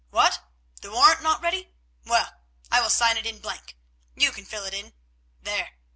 What? The warrant not ready? Well, I will sign it in blank. You can fill it in. There.